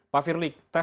pak firly tes wawasan